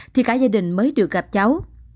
thì cả gia đình mới được gặp cháu